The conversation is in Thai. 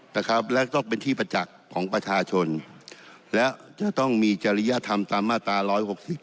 นะครับและต้องเป็นที่ประจักษ์ของประชาชนและจะต้องมีจริยธรรมตามมาตราร้อยหกสิบ